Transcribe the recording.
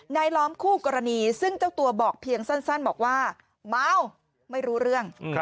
ล้อมคู่กรณีซึ่งเจ้าตัวบอกเพียงสั้นบอกว่าเมาไม่รู้เรื่อง